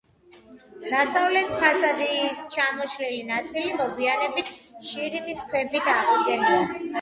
დასავლეთ ფასადის ჩამოშლილი ნაწილი მოგვიანებით შირიმის ქვებით აღუდგენიათ.